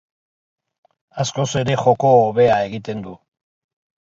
Askoz ere joko hobea egiten du.